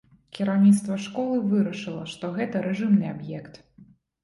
Кіраўніцтва школы вырашыла, што гэта рэжымны аб'ект.